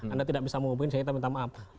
anda tidak bisa mengumpulkan saya minta maaf